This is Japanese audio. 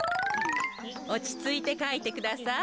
おちついてかいてください。